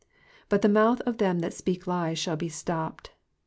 '^^But the mouth of them that speak lies shall he stopped.''''